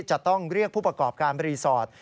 จะต้องเรียกผู้ประกอบการรีสอร์ท